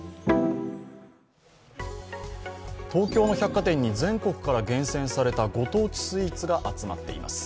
東京の百貨店に全国から厳選されたご当地スイーツが集まっています。